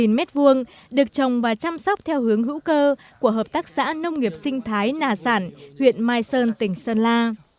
cây dâu tây dọng một m hai được trồng và chăm sóc theo hướng hữu cơ của hợp tác xã nông nghiệp sinh thái nà sản huyện mai sơn tỉnh sơn la